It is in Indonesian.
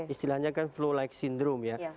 istilahnya kan flow like syndrome ya